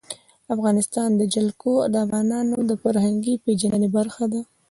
د افغانستان جلکو د افغانانو د فرهنګي پیژندنې برخه ده.